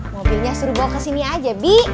mobilnya suruh bawa kesini aja bi